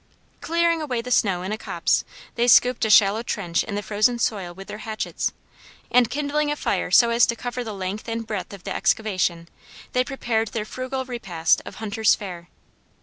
Clearing away the snow in a copse, they scooped a shallow trench in the frozen soil with their hatchets, and kindling a fire so as to cover the length and breadth of the excavation, they prepared their frugal repast of hunters' fare.